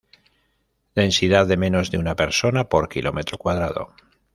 Densidad de menos de una persona por kilómetro cuadrado.